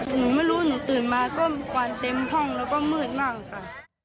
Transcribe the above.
หนูไม่รู้ถึงเติมมาก็กวาดเต็มห้องและก็มืดมากค่ะ